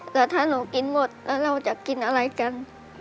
แต่ถ้าหนูกินหมดแล้วเราจะกินอะไรกัน